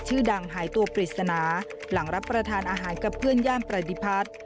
หายตัวปริศนาหลังรับประทานอาหารกับเพื่อนย่านประดิภัฐ